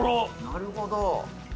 なるほど。